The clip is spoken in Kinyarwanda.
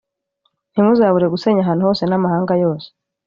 ntimuzabure gusenya ahantu hose namahanga yose